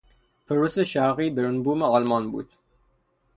پروس شرقی برونبوم آلمان بود.